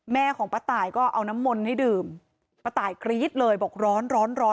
แม่ของป้าตายก็เอาน้ำมนต์ให้ดื่มป้าตายกรี๊ดเลยบอกร้อนร้อน